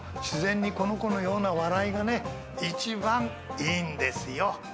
自然にこの子のような笑いがね一番いいんですよ。